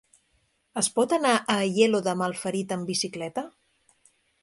Es pot anar a Aielo de Malferit amb bicicleta?